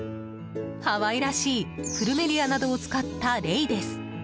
ハワイらしいプルメリアなどを使ったレイです。